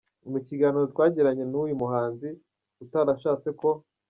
Mu kiganiro twagiranye nuyu muhanzi utarashatse ko.